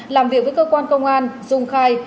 làm việc với cơ quan công an dung khai